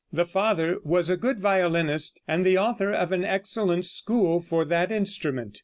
The father was a good violinist and the author of an excellent school for that instrument.